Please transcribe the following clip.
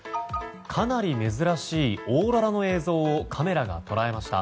かなり珍しいオーロラの映像をカメラが捉えました。